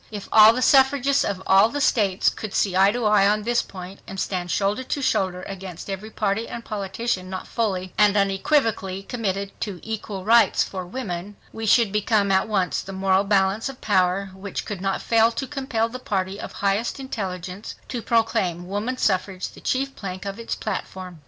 . "If all the suffragists of all the States could see eye to eye on this point, and stand shoulder to shoulder against every party and politician not fully and unequivocally committed to 'Equal Rights for Women,' we should become at once the moral balance of power which could not fail to compel the party of highest intelligence to proclaim woman suffrage the chief plank of its platform